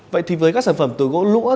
vậy thì với các sản phẩm từ gỗ lũa